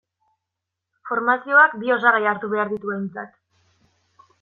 Formazioak bi osagai hartu behar ditu aintzat.